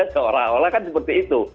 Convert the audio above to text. seolah olah kan seperti itu